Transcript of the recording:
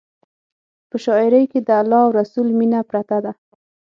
په شاعرۍ کې د الله او رسول مینه پرته ده.